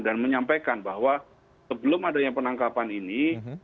dan menyampaikan bahwa sebelum adanya penangkapan ini